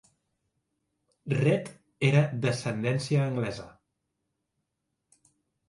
Rhett era d'ascendència anglesa.